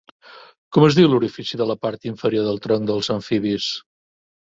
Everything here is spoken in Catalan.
Com es diu l'orifici de la part inferior del tronc dels amfibis?